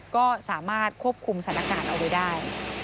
ก็สามารถควบคุมสถานการณ์เอาไว้ได้